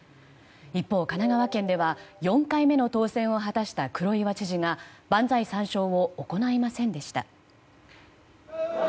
一方、神奈川県では４回目の当選を果たした黒岩知事が万歳三唱を行いませんでした。